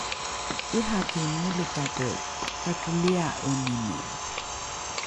’iraki molekate takolia’enine